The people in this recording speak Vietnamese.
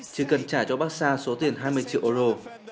chỉ cần trả cho baxsa số tiền hai mươi triệu euro